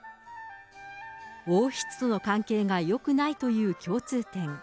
王室との関係がよくないという共通点。